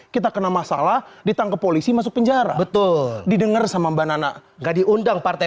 kita kena masalah ditangkap polisi masuk penjara betul didengar sama mbak nana gak diundang partai